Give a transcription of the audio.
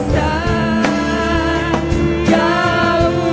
jauh jauh darimu